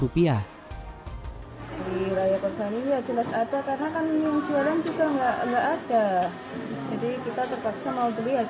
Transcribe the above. di wilayah percaya cilat atau karena kami mencoba juga enggak enggak